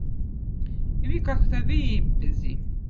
Vikahtõ viippezi.